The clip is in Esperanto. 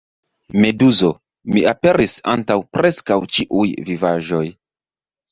Meduzo: "Mi aperis antaŭ preskaŭ ĉiuj vivaĵoj!"